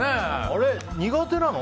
苦手なの？